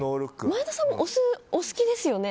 前田さんもお酢、お好きですよね？